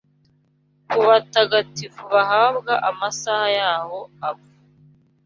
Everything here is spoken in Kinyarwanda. Kubatagatifu bahabwa amasaha yabo apfa